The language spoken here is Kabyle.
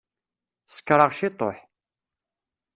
Sekṛeɣ ciṭuḥ.